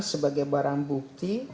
sebagai barang bukti